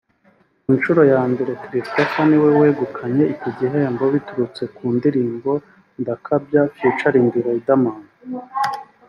Ku nshuro ya mbere Christopher niwe wegukanye iki gihembo biturutse ku ndirimbo Ndakabya ft Riderman